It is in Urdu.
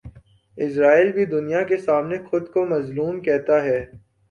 اسرائیل بھی دنیا کے سامنے خو دکو مظلوم کہتا ہے۔